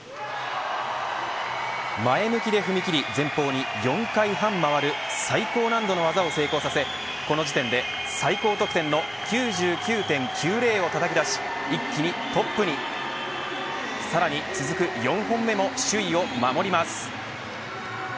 前向きで踏み切り前方に４回半回る最高難度の技を成功させこの時点で最高得点の９９．９０をたたき出し一気にトップにさらに続く４本目も首位を守ります。